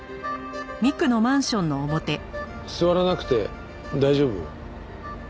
座らなくて大丈夫？